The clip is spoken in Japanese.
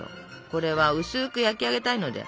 これは薄く焼き上げたいので。